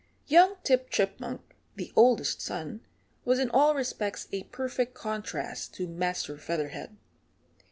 Young Tip Chipmunk, the oldest son, was in all respects a perfect contrast to Master Featherhead.